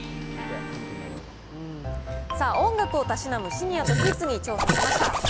さあ、音楽をたしなむシニアとキッズに調査しました。